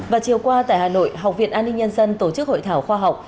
và chiều qua tại hà nội học viện an ninh nhân dân tổ chức hội thảo khoa học